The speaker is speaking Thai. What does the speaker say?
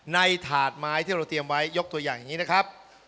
ถาดไม้ที่เราเตรียมไว้ยกตัวอย่างนี้นะครับ